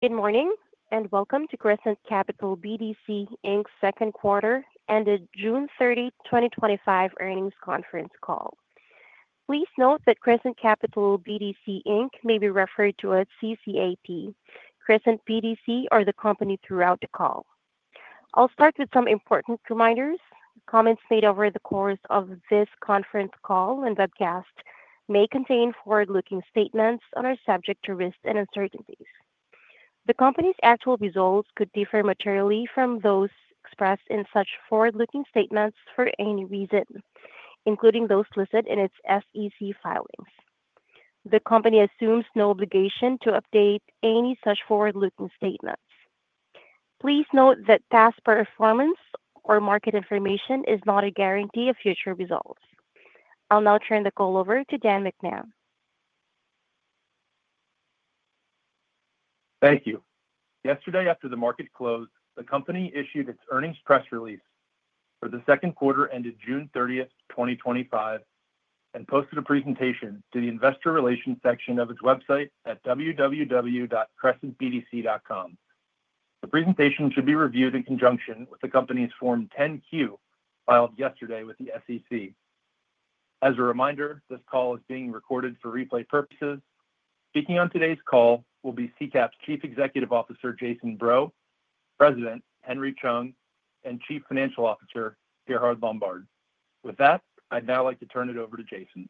Good morning and welcome to Crescent Capital BDC Inc.'s Second Quarter and the June 30, 2025 Earnings Conference Call. Please note that Crescent Capital BDC Inc. may be referred to as CCAP, Crescent BDC, or the company throughout the call. I'll start with some important reminders. Comments made over the course of this conference call and webcast may contain forward-looking statements that are subject to risks and uncertainties. The company's actual results could differ materially from those expressed in such forward-looking statements for any reason, including those listed in its SEC filings. The company assumes no obligation to update any such forward-looking statements. Please note that past performance or market information is not a guarantee of future results. I'll now turn the call over to Dan McMahon. Thank you. Yesterday, after the market closed, the company issued its earnings press release for the second quarter ended June 30, 2025, and posted a presentation to the investor relations section of its website at www.crescentbdc.com. The presentation should be reviewed in conjunction with the company's Form 10-Q filed yesterday with the SEC. As a reminder, this call is being recorded for replay purposes. Speaking on today's call will be CCAP's Chief Executive Officer, Jason Breaux, President, Henry Chung, and Chief Financial Officer, Gerhard Lombard. With that, I'd now like to turn it over to Jason.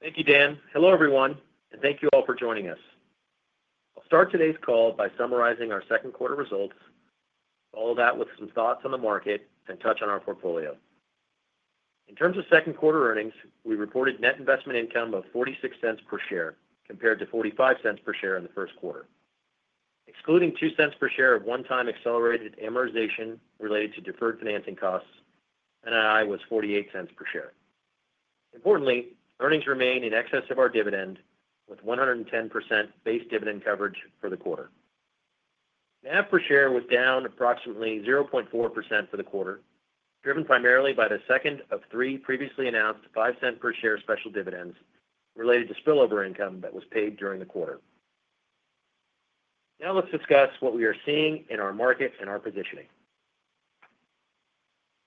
Thank you, Dan. Hello, everyone, and thank you all for joining us. I'll start today's call by summarizing our second quarter results, follow that with some thoughts on the market, and touch on our portfolio. In terms of second quarter earnings, we reported net investment income of $0.46 per share compared to $0.45 per share in the first quarter. Excluding $0.02 per share of one-time accelerated amortization related to deferred financing costs, NII was $0.48 per share. Importantly, earnings remain in excess of our dividend, with 110% base dividend coverage for the quarter. NAV per share was down approximately 0.4% for the quarter, driven primarily by the second of three previously announced $0.05 per share special dividends related to spillover income that was paid during the quarter. Now let's discuss what we are seeing in our market and our positioning.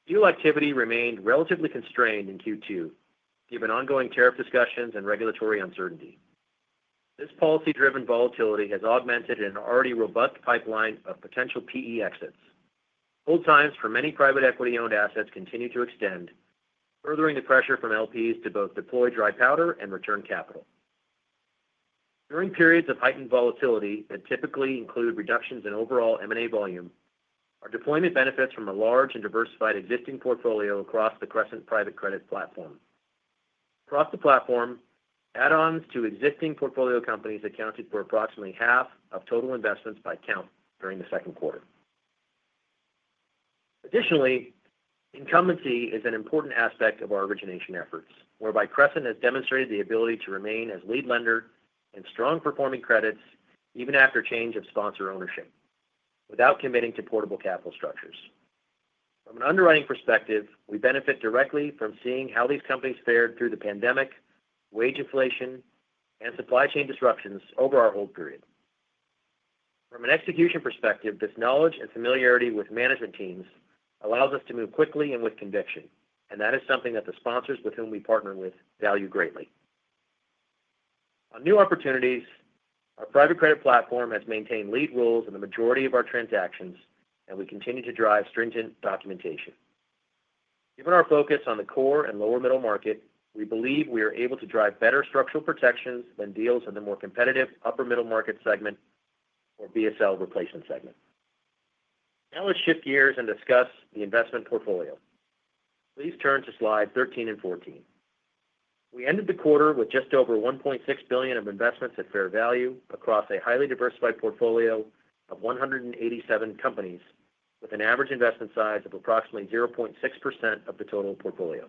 Deal activity remained relatively constrained in Q2, given ongoing tariff discussions and regulatory uncertainty. This policy-driven volatility has augmented an already robust pipeline of potential PE exits. Hold times for many private equity-owned assets continue to extend, furthering the pressure from LPs to both deploy dry powder and return capital. During periods of heightened volatility that typically include reductions in overall M&A volume, our deployment benefits from a large and diversified existing portfolio across the Crescent Private Credit platform. Across the platform, add-ons to existing portfolio companies accounted for approximately half of total investments by count during the second quarter. Additionally, incumbency is an important aspect of our origination efforts, whereby Crescent has demonstrated the ability to remain as lead lender and strong performing credits even after change of sponsor ownership, without committing to portable capital structures. From an underwriting perspective, we benefit directly from seeing how these companies fared through the pandemic, wage inflation, and supply chain disruptions over our whole period. From an execution perspective, this knowledge and familiarity with management teams allows us to move quickly and with conviction, and that is something that the sponsors with whom we partner with value greatly. On new opportunities, our private credit platform has maintained lead roles in the majority of our transactions, and we continue to drive stringent documentation. Given our focus on the core and lower middle market, we believe we are able to drive better structural protections than deals in the more competitive upper middle market segment or BSL replacement segment. Now let's shift gears and discuss the investment portfolio. Please turn to slide 13 and 14. We ended the quarter with just over $1.6 billion of investments at fair value across a highly diversified portfolio of 187 companies, with an average investment size of approximately 0.6% of the total portfolio.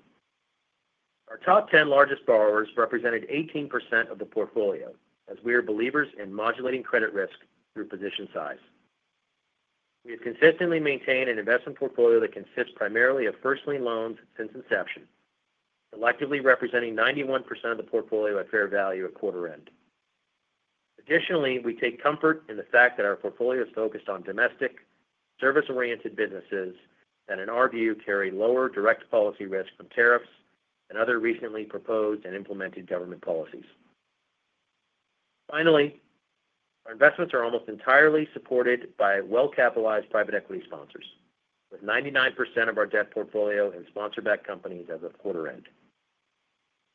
Our top 10 largest borrowers represented 18% of the portfolio, as we are believers in modulating credit risk through position size. We have consistently maintained an investment portfolio that consists primarily of first lien loans since inception, selectively representing 91% of the portfolio at fair value at quarter end. Additionally, we take comfort in the fact that our portfolio is focused on domestic, service-oriented businesses that, in our view, carry lower direct policy risk from tariffs and other recently proposed and implemented government policies. Finally, our investments are almost entirely supported by well-capitalized private equity sponsors, with 99% of our debt portfolio in sponsor-backed companies as of quarter end.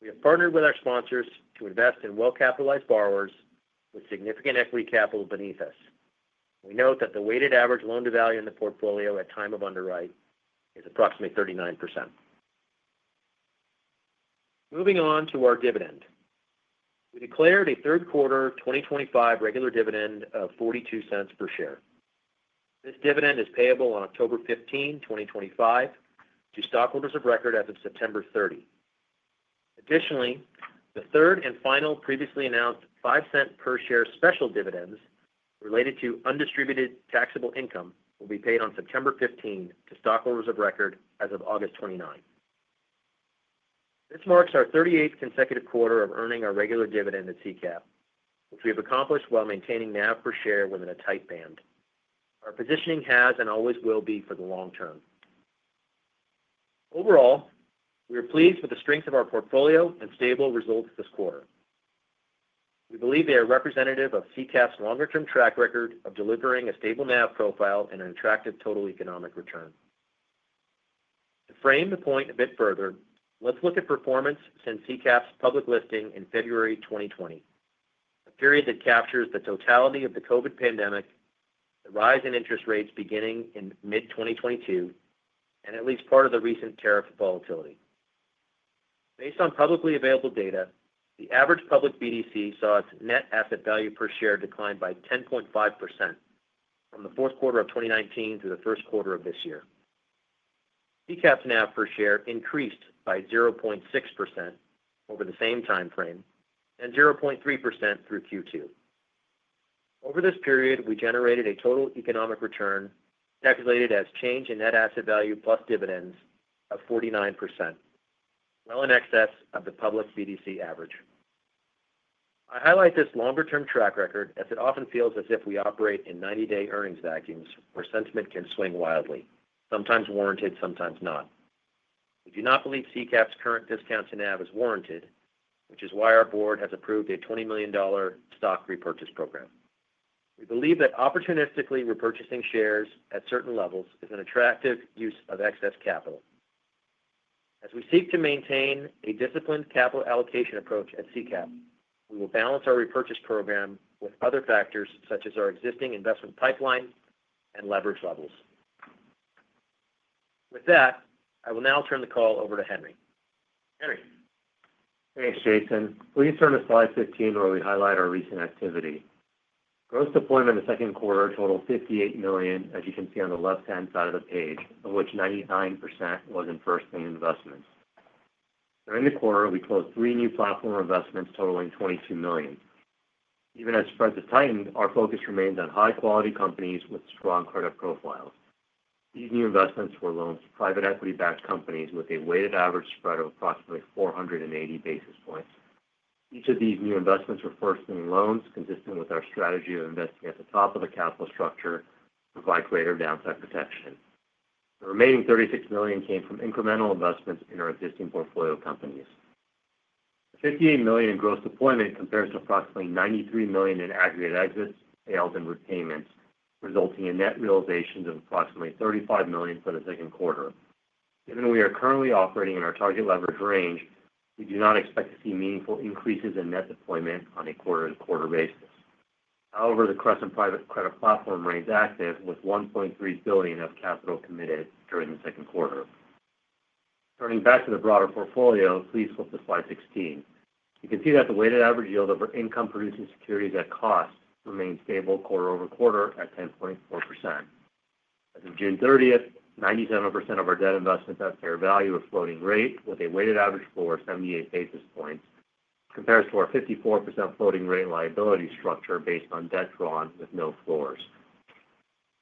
We have partnered with our sponsors to invest in well-capitalized borrowers with significant equity capital beneath us. We note that the weighted average loan-to-value in the portfolio at time of underwriting is approximately 39%. Moving on to our dividend, we declared a third quarter 2025 regular dividend of $0.42 per share. This dividend is payable on October 15, 2025, to stockholders of record as of September 30. Additionally, the third and final previously announced $0.05 per share special dividend related to undistributed taxable income will be paid on September 15 to stockholders of record as of August 29. This marks our 38th consecutive quarter of earning our regular dividend at CCAP, which we have accomplished while maintaining NAV per share within a tight band. Our positioning has and always will be for the long term. Overall, we are pleased with the strength of our portfolio and stable results this quarter. We believe they are representative of CCAP's longer-term track record of delivering a stable NAV profile and an attractive total economic return. To frame the point a bit further, let's look at performance since CCAP's public listing in February 2020, a period that captures the totality of the COVID pandemic, the rise in interest rates beginning in mid-2022, and at least part of the recent tariff volatility. Based on publicly available data, the average public BDC saw its net asset value per share decline by 10.5% from the fourth quarter of 2019 through the first quarter of this year. CCAP's NAV per share increased by 0.6% over the same timeframe and 0.3% through Q2. Over this period, we generated a total economic return calculated as change in net asset value plus dividends of 49%, well in excess of the public BDC average. I highlight this longer-term track record as it often feels as if we operate in 90-day earnings vacuums, where sentiment can swing wildly, sometimes warranted, sometimes not. We do not believe CCAP's current discount in NAV is warranted, which is why our board has approved a $20 million stock repurchase program. We believe that opportunistically repurchasing shares at certain levels is an attractive use of excess capital. As we seek to maintain a disciplined capital allocation approach at CCAP, we will balance our repurchase program with other factors such as our existing investment pipeline and leverage levels. With that, I will now turn the call over to Henry. Hey, Jason. Please turn to slide 15 where we highlight our recent activity. Gross deployment in the second quarter totaled $58 million, as you can see on the left-hand side of the page, of which 99% was in first lien investments. During the quarter, we closed three new platform investments totaling $22 million. Even as spreads have tightened, our focus remains on high-quality companies with strong credit profiles. These new investments were loans to private equity-backed companies with a weighted average spread of approximately 480 basis points. Each of these new investments were first lien loans, consistent with our strategy of investing at the top of the capital structure to provide greater downside protection. The remaining $36 million came from incremental investments in our existing portfolio companies. The $58 million in gross deployment compares to approximately $93 million in aggregate exits and payments, resulting in net realizations of approximately $35 million for the second quarter. Given we are currently operating in our target leverage range, we do not expect to see meaningful increases in net deployment on a quarter-to-quarter basis. However, the Crescent Private Credit platform remains active with $1.3 billion of capital committed during the second quarter. Turning back to the broader portfolio, please flip to slide 16. You can see that the weighted average yield of our income-producing securities at cost remains stable quarter over quarter at 10.4%. As of June 30, 97% of our debt investment at fair value is floating rate with a weighted average floor at 78 basis points. It compares to our 54% floating rate liability structure based on debt drawn with no floors.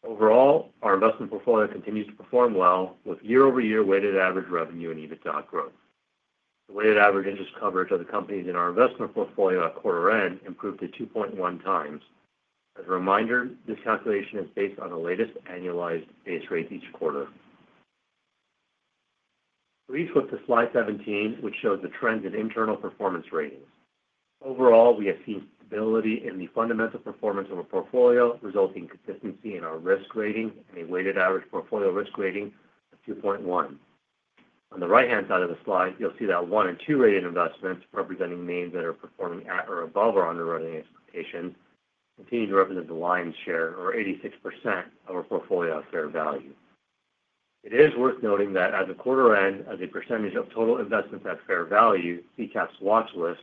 Overall, our investment portfolio continues to perform well with year-over-year weighted average revenue and EBITDA growth. The weighted average interest coverage of the companies in our investment portfolio at quarter end improved to 2.1x. As a reminder, this calculation is based on the latest annualized base rate each quarter. Please flip to slide 17, which shows the trends in internal performance rating. Overall, we have seen stability in the fundamental performance of our portfolio, resulting in consistency in our risk rating and a weighted average portfolio risk rating of 2.1. On the right-hand side of the slide, you'll see that one and two rated investments representing names that are performing at or above our underwriting expectations, continuing to represent the lion's share or 86% of our portfolio at fair value. It is worth noting that as of quarter end, as a percentage of total investments at fair value, CCAP's watch list,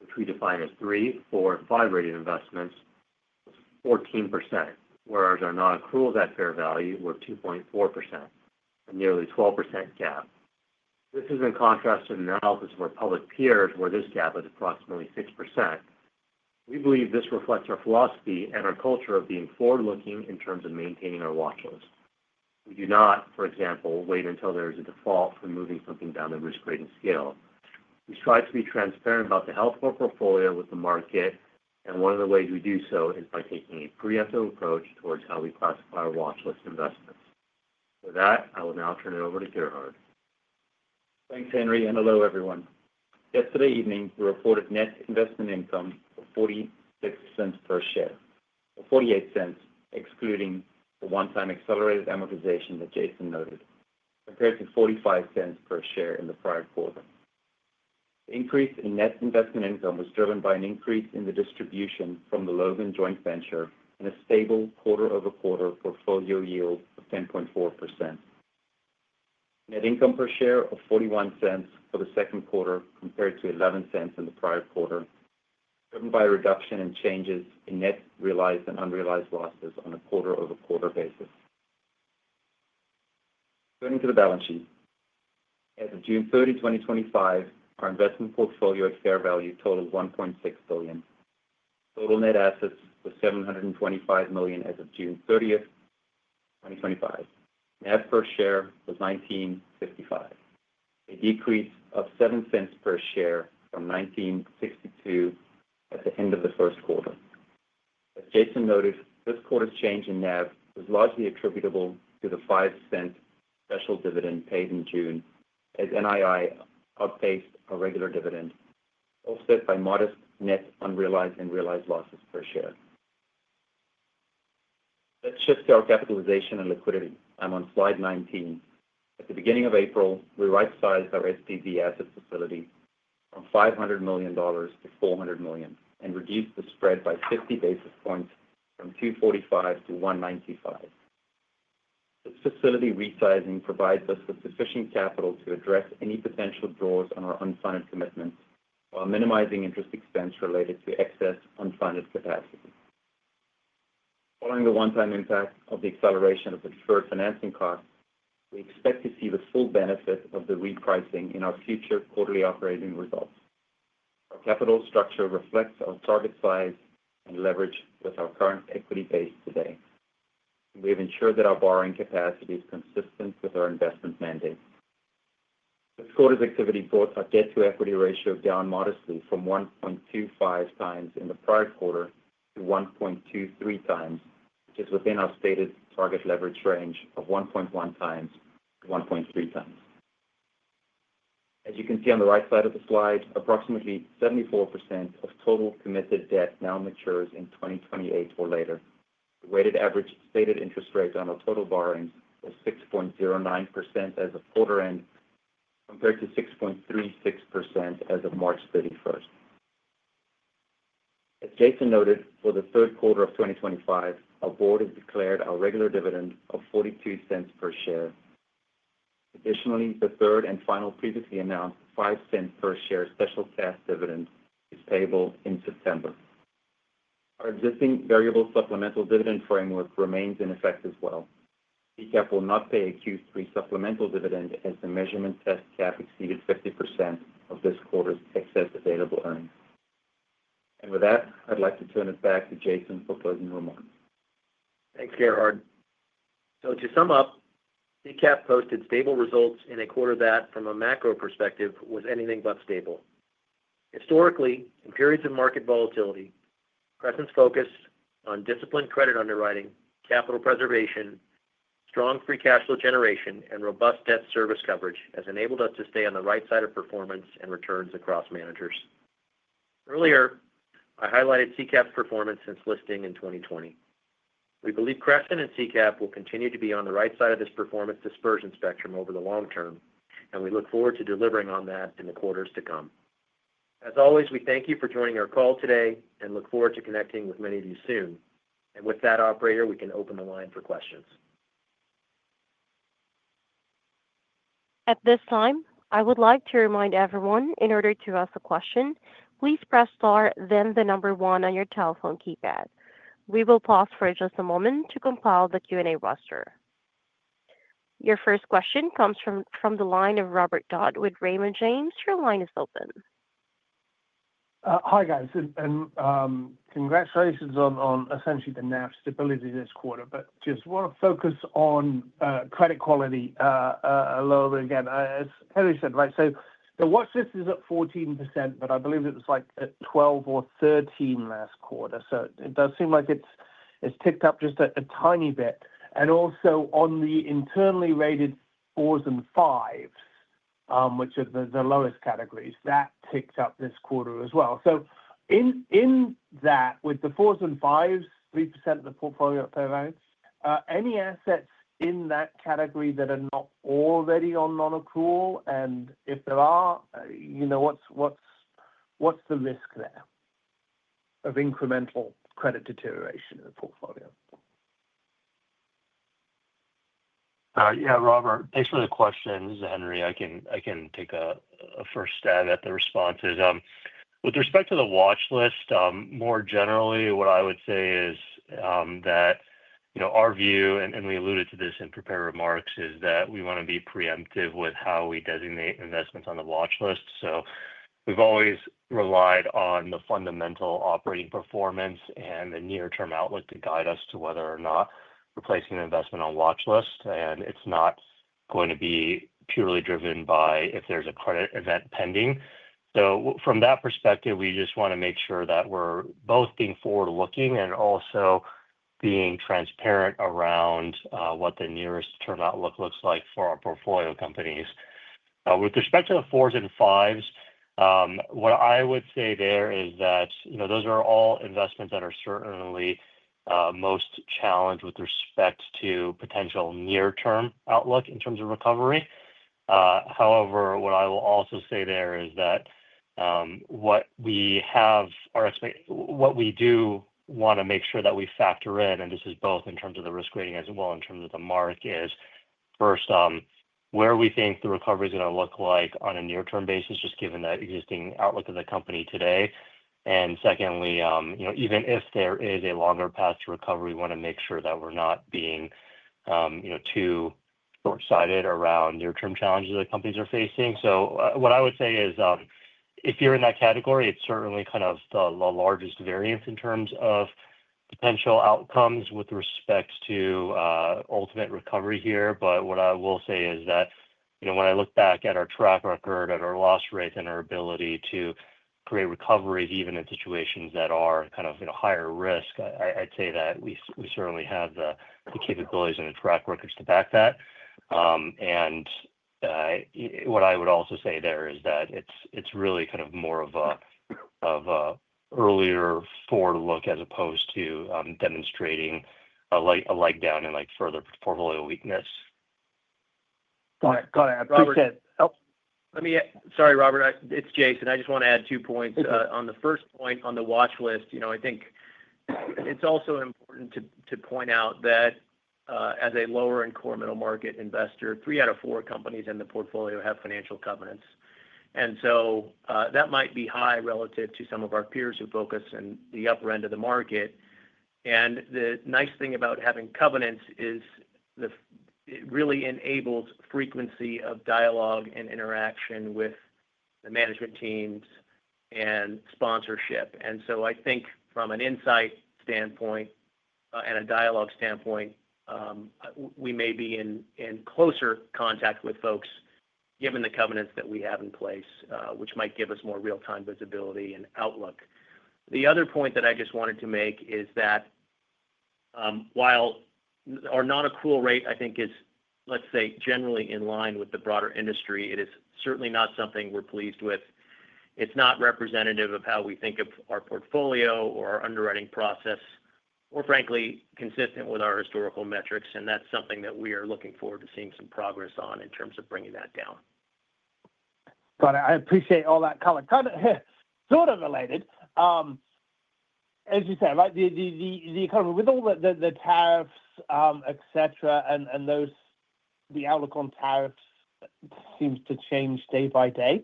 which we define as three, four, and five rated investments, is 14%, whereas our non-accruals at fair value were 2.4%, a nearly 12% gap. This is in contrast to the analysis of our public peers, where this gap is approximately 6%. We believe this reflects our philosophy and our culture of being forward-looking in terms of maintaining our watch list. We do not, for example, wait until there is a default when moving something down the risk-rated scale. We strive to be transparent about the health of our portfolio with the market, and one of the ways we do so is by taking a preemptive approach towards how we classify our watch list investments. With that, I will now turn it over to Gerhard. Thanks, Henry, and hello, everyone. Yesterday evening, we reported net investment income of $0.46 per share, $0.48 excluding the one-time accelerated amortization that Jason noted, compared to $0.45 per share in the prior quarter. The increase in net investment income was driven by an increase in the distribution from the Logan joint venture and a stable quarter-over-quarter portfolio yield of 10.4%. Net income per share of $0.41 for the second quarter, compared to $0.11 in the prior quarter, driven by a reduction in changes in net realized and unrealized losses on a quarter-over-quarter basis. Turning to the balance sheet. As of June 30, 2025, our investment portfolio at fair value totaled $1.6 billion. Total net assets were $725 million as of June 30, 2025. NAV per share was $19.65, a decrease of $0.07 per share from $19.72 at the end of the first quarter. As Jason noted, this quarter's change in NAV was largely attributable to the $0.05 special dividend paid in June, as NII outpaced our regular dividend, offset by modest net unrealized and realized losses per share. Let's shift to our capitalization and liquidity. I'm on slide 19. At the beginning of April, we right-sized our SDZ asset facility from $500 million to $400 million and reduced the spread by 50 basis points from $245 to $195. This facility resizing provides us with sufficient capital to address any potential draws on our unfunded commitments while minimizing interest expense related to excess unfunded capacity. Following the one-time impact of the acceleration of the deferred financing costs, we expect to see the full benefit of the repricing in our future quarterly operating results. Our capital structure reflects our target size and leverage with our current equity base today. We have ensured that our borrowing capacity is consistent with our investment mandate. This quarter's activity brought our debt-to-equity ratio down modestly from 1.25x in the prior quarter to 1.23x, which is within our stated target leverage range of 1.1x-1.3x. As you can see on the right side of the slide, approximately 74% of total committed debt now matures in 2028 or later. The weighted average stated interest rate on our total borrowings was 6.09% as of quarter end, compared to 6.36% as of March 31. As Jason noted, for the third quarter of 2025, our board has declared our regular dividend of $0.42 per share. Additionally, the third and final previously announced $0.05 per share special cash dividend is payable in September. Our existing variable supplemental dividend framework remains in effect as well. CCAP will not pay a Q3 supplemental dividend as the measurement test cap exceeded 50% of this quarter's excess available earnings. With that, I'd like to turn it back to Jason for closing remarks. Thanks, Gerhard. To sum up, CCAP posted stable results in a quarter that, from a macro perspective, was anything but stable. Historically, in periods of market volatility, Crescent's focus on disciplined credit underwriting, capital preservation, strong free cash flow generation, and robust debt service coverage has enabled us to stay on the right side of performance and returns across managers. Earlier, I highlighted CCAP's performance since listing in 2020. We believe Crescent and CCAP will continue to be on the right side of this performance dispersion spectrum over the long term, and we look forward to delivering on that in the quarters to come. As always, we thank you for joining our call today and look forward to connecting with many of you soon. With that, operator, we can open the line for questions. At this time, I would like to remind everyone, in order to ask a question, please press star, then the number one on your telephone keypad. We will pause for just a moment to compile the Q&A roster. Your first question comes from the line of Robert Dodd with Raymond James. Your line is open. Hi guys, and congratulations on essentially the NAV stability this quarter. I just want to focus on credit quality a little bit again. As Henry said, right, the WASD is at 14%, but I believe it was at 12% or 13% last quarter. It does seem like it's ticked up just a tiny bit. Also, on the internally rated fours and fives, which are the lowest categories, that ticked up this quarter as well. With the fours and fives, 3% of the portfolio at fair value, any assets in that category that are not already on non-accrual, and if there are, what's the risk there of incremental credit deterioration in the portfolio? Yeah, Robert, thanks for the questions. Henry, I can take a first stab at the responses. With respect to the watch list, more generally, what I would say is that our view, and we alluded to this in prepared remarks, is that we want to be preemptive with how we designate investments on the watch list. We have always relied on the fundamental operating performance and the near-term outlook to guide us to whether or not we're placing an investment on the watch list. It's not going to be purely driven by if there's a credit event pending. From that perspective, we just want to make sure that we're both being forward-looking and also being transparent around what the nearest term outlook looks like for our portfolio companies. With respect to the fours and fives, what I would say there is that those are all investments that are certainly most challenged with respect to potential near-term outlook in terms of recovery. However, what I will also say there is that what we have, what we do want to make sure that we factor in, and this is both in terms of the risk rating as well in terms of the mark, is first, where we think the recovery is going to look like on a near-term basis, just given the existing outlook of the company today. Secondly, even if there is a longer path to recovery, we want to make sure that we're not being too short-sighted around near-term challenges that companies are facing. What I would say is, if you're in that category, it's certainly kind of the largest variance in terms of potential outcomes with respect to ultimate recovery here. What I will say is that when I look back at our track record and our loss rate and our ability to create recoveries even in situations that are kind of higher risk, I'd say that we certainly have the capabilities and the track records to back that. What I would also say there is that it's really kind of more of an earlier forward look as opposed to demonstrating a leg down and further portfolio weakness. Got it. Got it. I appreciate it. Sorry, Robert, it's Jason. I just want to add two points. On the first point on the watch list, I think it's also important to point out that as a lower and core middle market investor, three out of four companies in the portfolio have financial covenants. That might be high relative to some of our peers who focus in the upper end of the market. The nice thing about having covenants is it really enables frequency of dialogue and interaction with the management teams and sponsorship. I think from an insight standpoint and a dialogue standpoint, we may be in closer contact with folks given the covenants that we have in place, which might give us more real-time visibility and outlook. The other point that I just wanted to make is that while our non-accrual rate, I think, is, let's say, generally in line with the broader industry, it is certainly not something we're pleased with. It's not representative of how we think of our portfolio or our underwriting process, or frankly, consistent with our historical metrics. That's something that we are looking forward to seeing some progress on in terms of bringing that down. Got it. I appreciate all that color. Kind of related, as you say, the economy, with all the tariffs, etc., and the outlook on tariffs seems to change day by day.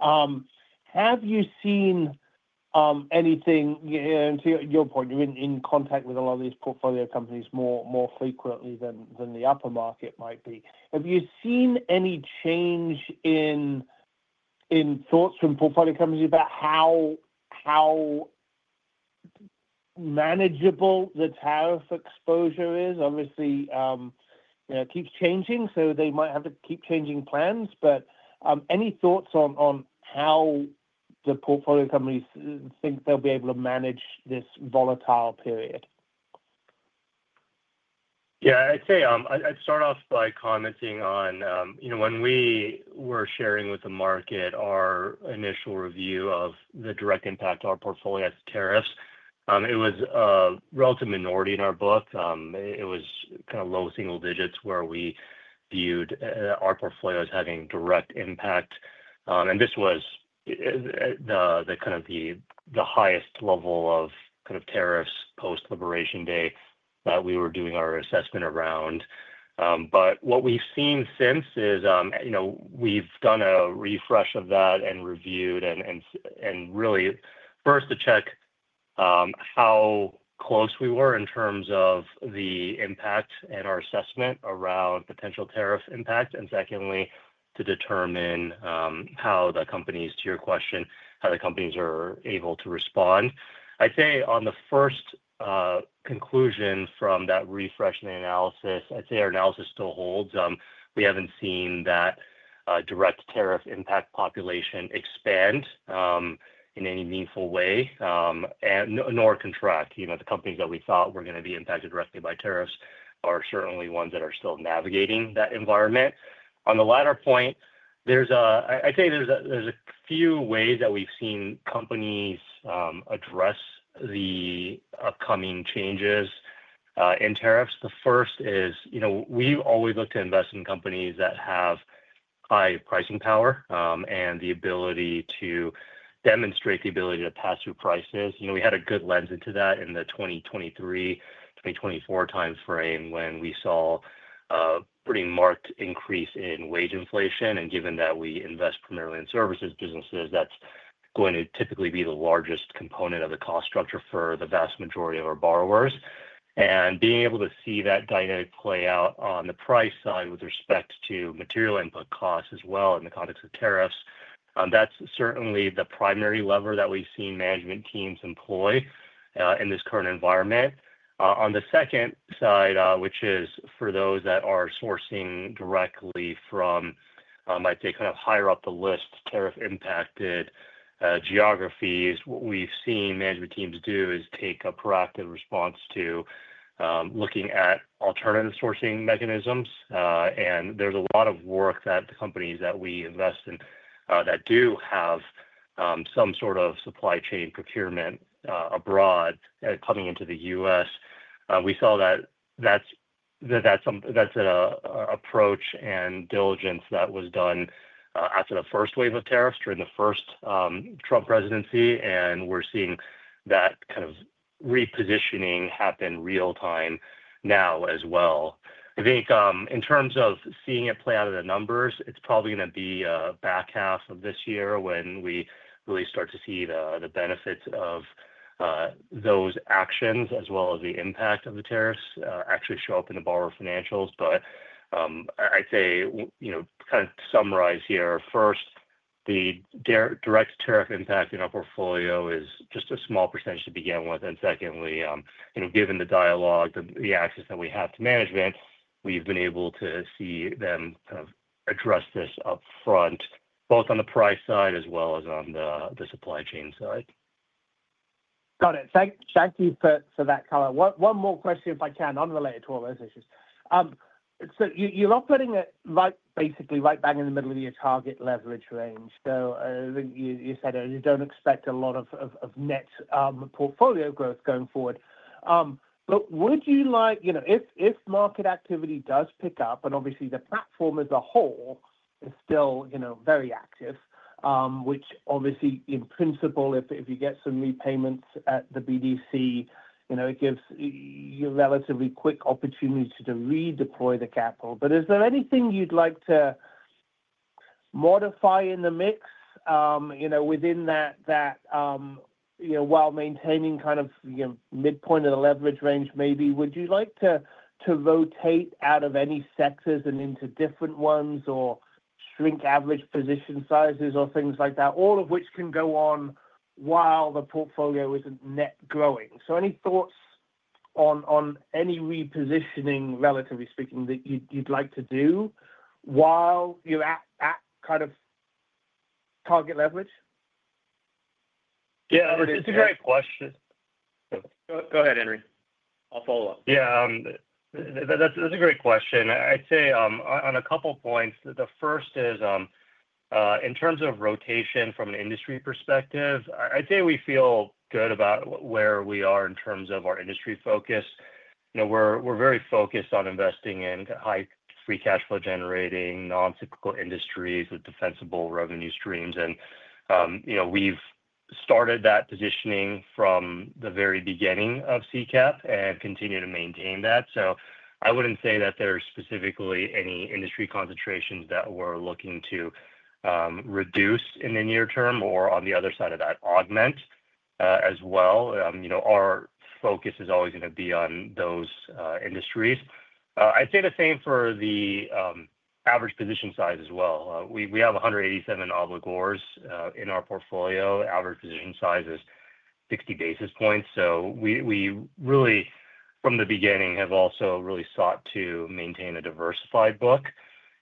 Have you seen anything, and to your point, you've been in contact with a lot of these portfolio companies more frequently than the upper market might be? Have you seen any change in thoughts from portfolio companies about how manageable the tariff exposure is? Obviously, it keeps changing, so they might have to keep changing plans, but any thoughts on how the portfolio companies think they'll be able to manage this volatile period? Yeah, I'd say I'd start off by commenting on, you know, when we were sharing with the market our initial review of the direct impact our portfolio has on tariffs, it was a relative minority in our book. It was kind of low single digits where we viewed our portfolio as having direct impact. This was the highest level of tariffs post-Liberation Day that we were doing our assessment around. What we've seen since is we've done a refresh of that and reviewed and really burst to check how close we were in terms of the impact and our assessment around potential tariff impact. Secondly, to determine how the companies, to your question, how the companies are able to respond. On the first conclusion from that refresh and analysis, our analysis still holds. We haven't seen that direct tariff impact population expand in any meaningful way nor contract. The companies that we thought were going to be impacted directly by tariffs are certainly ones that are still navigating that environment. On the latter point, there's a few ways that we've seen companies address the upcoming changes in tariffs. The first is we've always looked to invest in companies that have high pricing power and the ability to demonstrate the ability to pass through crises. We had a good lens into that in the 2023-2024 timeframe when we saw a pretty marked increase in wage inflation. Given that we invest primarily in services businesses, that's typically the largest component of the cost structure for the vast majority of our borrowers. Being able to see that dynamic play out on the price side with respect to material input costs as well in the context of tariffs, that's certainly the primary lever that we've seen management teams employ in this current environment. On the second side, for those that are sourcing directly from higher up the list, tariff-impacted geographies, what we've seen management teams do is take a proactive response to looking at alternative sourcing mechanisms. There's a lot of work that the companies that we invest in that do have some sort of supply chain procurement abroad coming into the U.S. We saw that that's an approach and diligence that was done after the first wave of tariffs during the first Trump presidency. We're seeing that kind of repositioning happen real-time now as well. I think in terms of seeing it play out in the numbers, it's probably going to be the back half of this year when we really start to see the benefits of those actions, as well as the impact of the tariffs actually show up in the borrower financials. I'd say, to kind of summarize here, first, the direct tariff impact in our portfolio is just a small percentage to begin with. Secondly, given the dialogue and the access that we have to management, we've been able to see them address this up front, both on the price side as well as on the supply chain side. Got it. Thank you for that color. One more question, if I can, unrelated to all those issues. You're operating at basically right bang in the middle of your target leverage range. I think you said you don't expect a lot of net portfolio growth going forward. Would you, if market activity does pick up, and obviously the platform as a whole is still very active, which in principle, if you get some repayments at the BDC, it gives you a relatively quick opportunity to redeploy the capital. Is there anything you'd like to modify in the mix within that, while maintaining kind of midpoint of the leverage range? Maybe would you like to rotate out of any sectors and into different ones or shrink average position sizes or things like that, all of which can go on while the portfolio isn't net growing? Any thoughts on any repositioning, relatively speaking, that you'd like to do while you're at kind of target leverage? Yeah, that's a great question. Go ahead, Henry. I'll follow up. Yeah, that's a great question. I'd say on a couple of points, the first is in terms of rotation from an industry perspective, I'd say we feel good about where we are in terms of our industry focus. You know, we're very focused on investing in high free cash flow generating non-typical industries with defensible revenue streams. You know, we've started that positioning from the very beginning of CCAP and continue to maintain that. I wouldn't say that there's specifically any industry concentrations that we're looking to reduce in the near term or on the other side of that, augment as well. Our focus is always going to be on those industries. I'd say the same for the average position size as well. We have 187 obligors in our portfolio. Average position size is 60 basis points. We really, from the beginning, have also really sought to maintain a diversified book.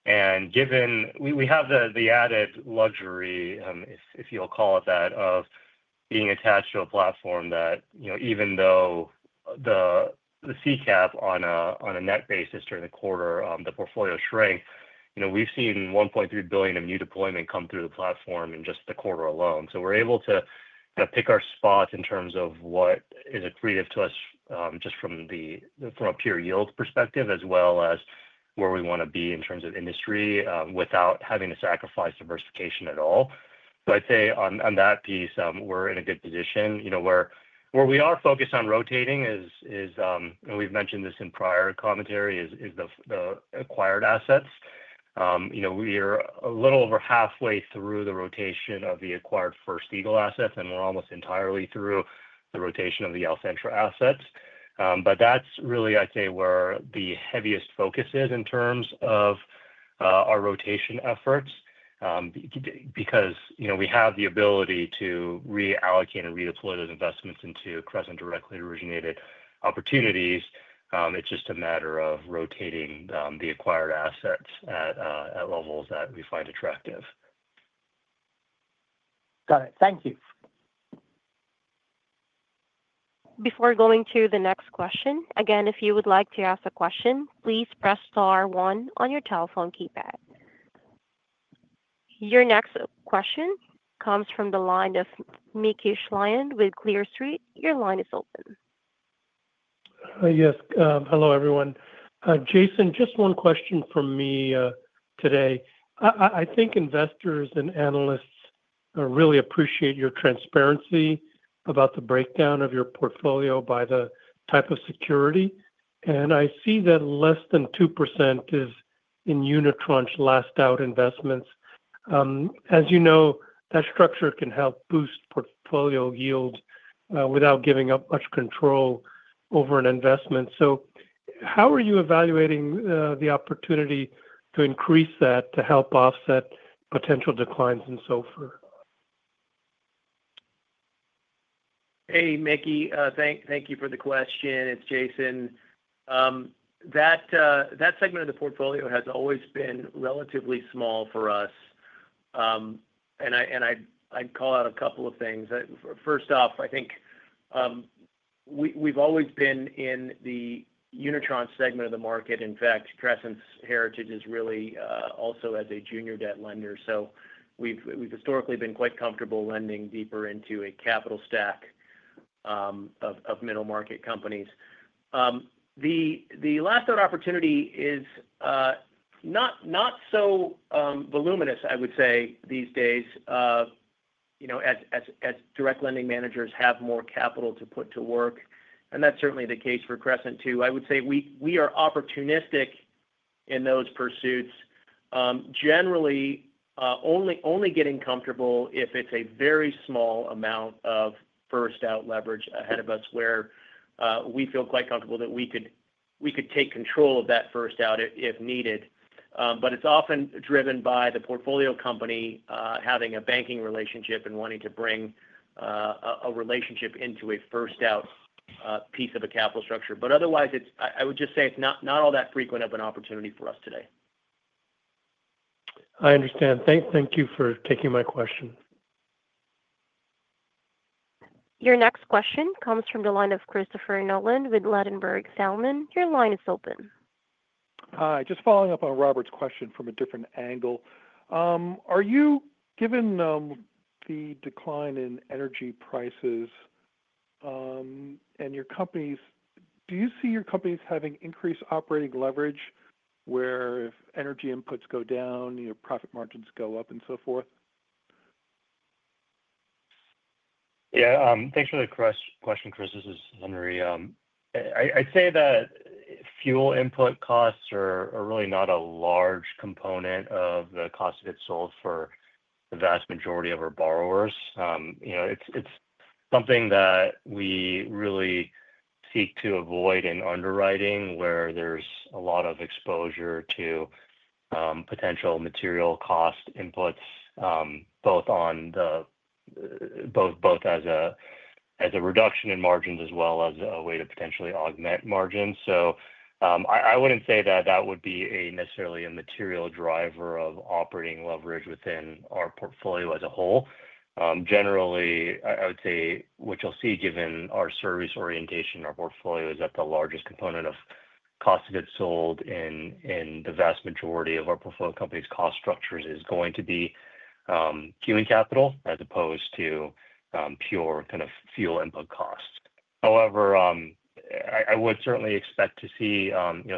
Given we have the added luxury, if you'll call it that, of being attached to a platform that, you know, even though CCAP on a net basis during the quarter, the portfolio shrank, we've seen $1.3 billion of new deployment come through the platform in just the quarter alone. We're able to kind of pick our spot in terms of what is accretive to us just from a pure yield perspective, as well as where we want to be in terms of industry without having to sacrifice diversification at all. I'd say on that piece, we're in a good position. Where we are focused on rotating is, and we've mentioned this in prior commentary, is the acquired assets. We are a little over halfway through the rotation of the acquired First Eagle assets, and we're almost entirely through the rotation of the Alcentra assets. That's really, I'd say, where the heaviest focus is in terms of our rotation efforts because we have the ability to reallocate and redeploy those investments into Crescent directly originated opportunities. It's just a matter of rotating the acquired assets at levels that we find attractive. Got it. Thank you. Before going to the next question, if you would like to ask a question, please press star one on your telephone keypad. Your next question comes from the line of Mickey Schlein with Clear Street. Your line is open. Yes. Hello, everyone. Jason, just one question from me today. I think investors and analysts really appreciate your transparency about the breakdown of your portfolio by the type of security. I see that less than 2% is in unitranche last-out investments. As you know, that structure can help boost portfolio yields without giving up much control over an investment. How are you evaluating the opportunity to increase that to help offset potential declines and so forth? Hey, Mickey, thank you for the question. It's Jason. That segment of the portfolio has always been relatively small for us. I'd call out a couple of things. First off, I think we've always been in the unitranche segment of the market. In fact, Crescent's heritage is really also as a junior debt lender. We've historically been quite comfortable lending deeper into a capital stack of middle market companies. The last-out opportunity is not so voluminous these days, as direct lending managers have more capital to put to work. That's certainly the case for Crescent too. I would say we are opportunistic in those pursuits, generally only getting comfortable if it's a very small amount of first-out leverage ahead of us where we feel quite comfortable that we could take control of that first-out if needed. It's often driven by the portfolio company having a banking relationship and wanting to bring a relationship into a first-out piece of a capital structure. Otherwise, I would just say it's not all that frequent of an opportunity for us today. I understand. Thank you for taking my question. Your next question comes from the line of Christopher Nolan with Ladenburg Thalmann. Your line is open. Hi. Just following up on Robert's question from a different angle. Are you, given the decline in energy prices and your companies, do you see your companies having increased operating leverage where if energy inputs go down, your profit margins go up and so forth? Yeah. Thanks for the question, Chris. This is Henry. I'd say that fuel input costs are really not a large component of the cost of goods sold for the vast majority of our borrowers. It's something that we really seek to avoid in underwriting where there's a lot of exposure to potential material cost inputs, both as a reduction in margins as well as a way to potentially augment margins. I wouldn't say that that would be necessarily a material driver of operating leverage within our portfolio as a whole. Generally, I would say what you'll see given our service orientation in our portfolio is that the largest component of cost of goods sold in the vast majority of our portfolio companies' cost structures is going to be human capital as opposed to pure kind of fuel input costs. However, I would certainly expect to see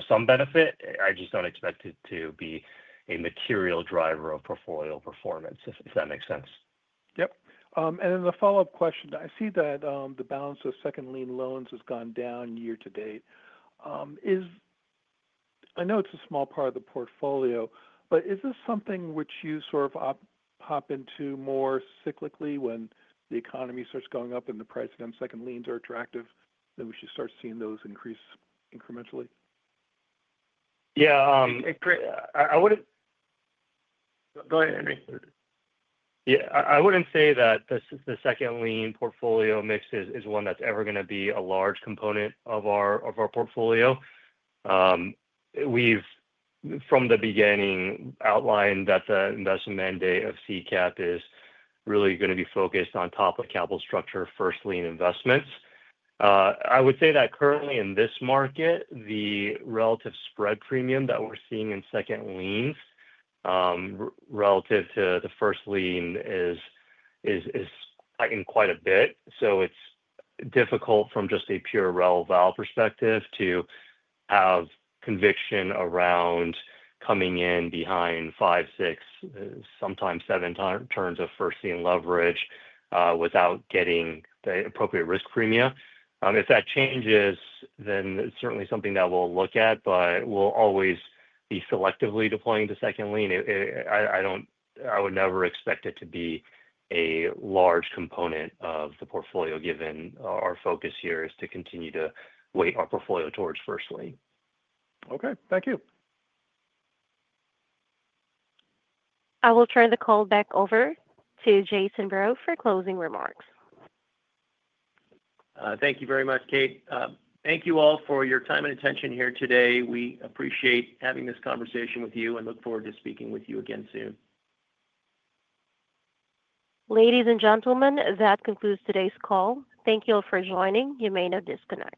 some benefit. I just don't expect it to be a material driver of portfolio performance, if that makes sense. Yes. The follow-up question, I see that the balance of second lien loans has gone down year to date. I know it's a small part of the portfolio, but is this something which you sort of hop into more cyclically when the economy starts going up and the pricing on second liens are attractive, then we should start seeing those increase incrementally? Yeah, I wouldn't say that the second lien portfolio mix is one that's ever going to be a large component of our portfolio. We've, from the beginning, outlined that the investment mandate of CCAP is really going to be focused on top of capital structure first lien investments. I would say that currently in this market, the relative spread premium that we're seeing in second liens relative to the first lien is heightened quite a bit. It's difficult from just a pure rel-val perspective to have conviction around coming in behind five, six, sometimes seven turns of first lien leverage without getting the appropriate risk premia. If that changes, then it's certainly something that we'll look at, but we'll always be selectively deploying to second lien. I don't, I would never expect it to be a large component of the portfolio given our focus here is to continue to weight our portfolio towards first lien. Okay, thank you. I will turn the call back over to Jason Breaux for closing remarks. Thank you very much, Kate. Thank you all for your time and attention here today. We appreciate having this conversation with you and look forward to speaking with you again soon. Ladies and gentlemen, that concludes today's call. Thank you all for joining. You may now disconnect.